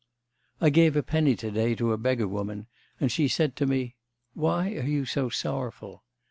'I gave a penny to day to a beggar woman, and she said to me, "Why are you so sorrowful?"